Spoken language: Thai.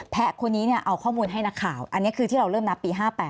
คนนี้เอาข้อมูลให้นักข่าวอันนี้คือที่เราเริ่มนับปี๕๘